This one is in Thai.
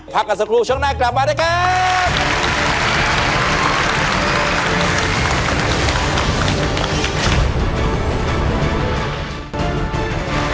พักกันสักครู่ช่วงหน้ากลับมาด้วยครับ